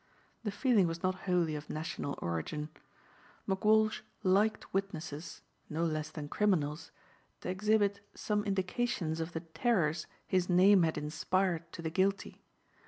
The feeling was not wholly of national origin. McWalsh liked witnesses, no less than criminals, to exhibit some indications of the terrors his name had inspired to the guilty.